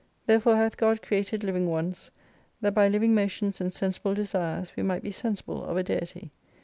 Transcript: Therefore hath God created living ones : that by lively motions, and sensible desirss, we might be sensible of a Deity.